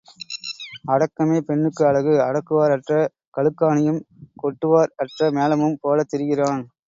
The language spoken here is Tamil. அடக்கமே பெண்ணுக்கு அழகு அடக்குவார் அற்ற கழுக்காணியும் கொட்டுவார் அற்ற மேளமும் போலத் திரிகிறான்.